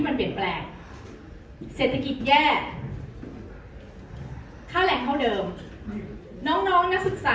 มันเป็นเพียงแค่บางโครงการเท่านั้นเองนะคะ